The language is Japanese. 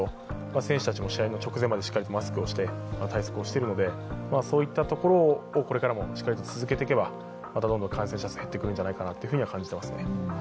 選手たちも試合の直前までしっかりマスクして対策をしているのでそういったところをこれからもしっかり続けていけばまたどんどん感染者数が減っていくのではないかと感じています。